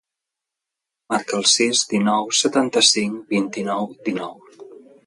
Marca el sis, dinou, setanta-cinc, vint-i-nou, dinou.